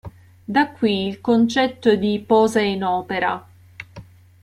Da qui il concetto di "posa in opera".